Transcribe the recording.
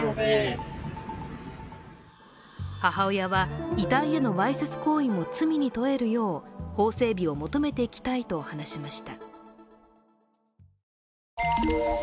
母親は、遺体へのわいせつ行為も罪に問えるよう法整備を求めていきたいと話しました。